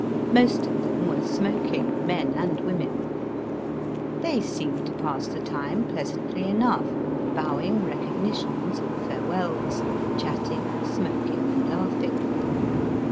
Most of them were smoking, men and women. They seemed to pass the time pleasantly enough, bowing recognitions or farewells, chat * ting, smoking, and laughing.